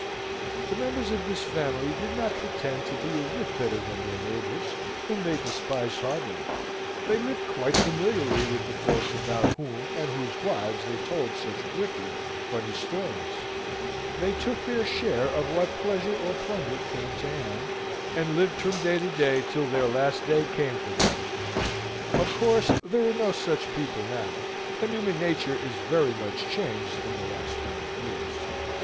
The members of this family did not pretend to be a whit better than their neighbours, whom they despised heartily; they lived quite familiarly with the folks about whom and whose wives they told such wicked, funny stories; they took their share of what pleasure or plunder came to hand, and lived from day to day till their last day came for them. Of course there are no such people now; and human nature is very much changed in the last hundred years.